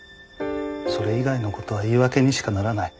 それ以外の事は言い訳にしかならない。